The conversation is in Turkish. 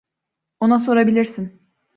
Ona sorabilirsin.